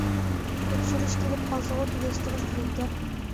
تەكشۈرۈش كېلىپ قالسىغۇ تۈگەشتىڭىز دېگەن گەپ!